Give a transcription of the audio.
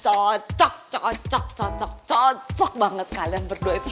cocok cocok cocok cocok banget kalian berdua itu